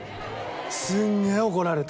すんげえ怒られた。